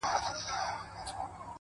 ژر سه ژورناليست يې اوس دې ټول پېژني’